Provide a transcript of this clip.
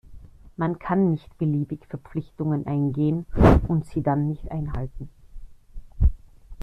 Man kann nicht beliebig Verpflichtungen eingehen und sie dann nicht einhalten.